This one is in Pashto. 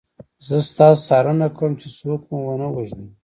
زه ستاسو څارنه کوم چې څوک مو ونه وژني